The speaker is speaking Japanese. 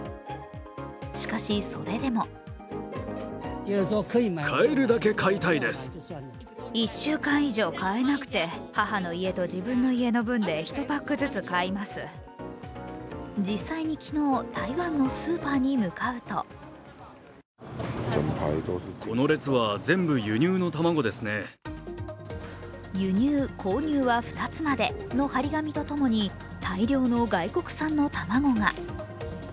しかし、それでも実際に昨日、台湾のスーパーに向かうと「輸入、購入は２つまで」の貼り紙とともに、大量の外国産の卵が。